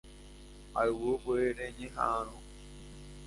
Ayvúpe reñeha'ãrõ